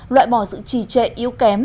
loại bỏ sự trì trệ yếu kém